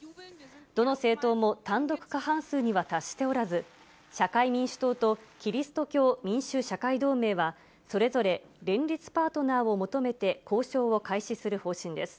どの政党も単独過半数には達しておらず、社会民主党とキリスト教民主・社会同盟は、それぞれ連立パートナーを求めて交渉を開始する方針です。